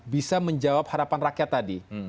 bisa menjawab harapan rakyat tadi